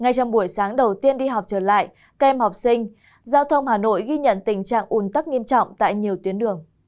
ngay trong buổi sáng đầu tiên đi học trở lại các em học sinh giao thông hà nội ghi nhận tình trạng ùn tắc nghiêm trọng tại nhiều tuyến đường